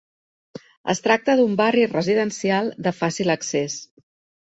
Es tracta d'un barri residencial de fàcil accés.